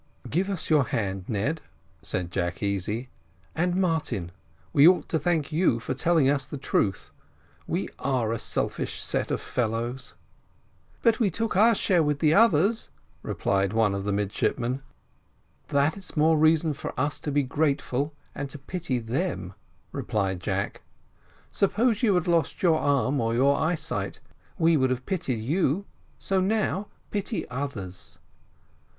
"Give us your hand, Ned," said Jack Easy. "And, Martin, we ought to thank you for telling us the truth we are a selfish set of fellows." "Still we took our share with the others," replied one of the midshipmen. "That's more reason for us to be grateful and to pity them," replied Jack; "suppose you had lost your arm or your eyesight we should have pitied you; so now pity others."